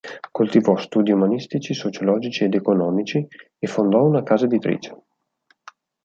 Coltivò studi umanistici, sociologici ed economici e fondò una casa editrice.